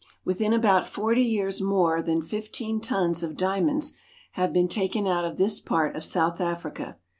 Within about forty years more than fifteen tons of dia monds have been taken out of this part of South Africa.